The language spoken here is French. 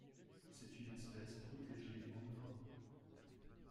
C'est une espèce protégée en Europe.